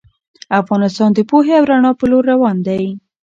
افغانستان د پوهې او رڼا په لور روان دی.